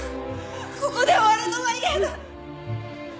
ここで終わるのは嫌だ！